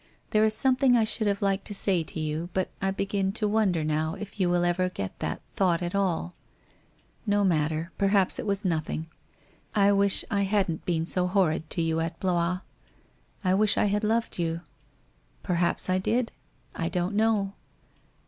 There is something I should have liked to say to you, but I begin to wonder now if you will ever get that thought at all ? No matter, perhaps it was nothing. I wish I hadn't been so horrid to you at Blois. I wish I had loved you? Perhaps I did ? I don't know.